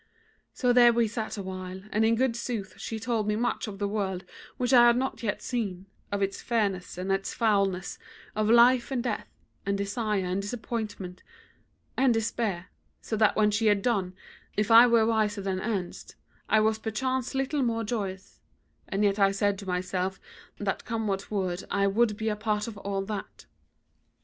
So there we sat awhile, and in good sooth she told me much of the world which I had not yet seen, of its fairness and its foulness; of life and death, and desire and disappointment, and despair; so that when she had done, if I were wiser than erst, I was perchance little more joyous; and yet I said to myself that come what would I would be a part of all that.